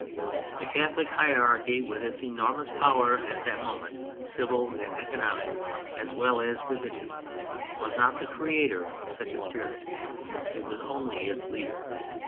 The Catholic hierarchy with its enormous power at that moment, civil and economic as well as religious, was not the creator of such a spirit, it was only its leader.